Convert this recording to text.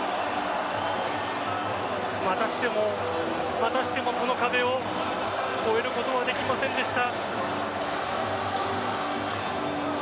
またしてもこの壁を超えることはできませんでした。